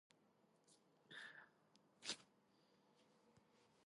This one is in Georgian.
მეტრის, რიტმისა და კილოს მხრივ მრავალფეროვანია.